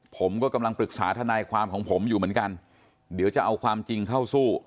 ผมก็กำลังปรึกษาทนายความของผมอยู่เหมือนกันเดี๋ยวจะเอาความจริงเข้าสู้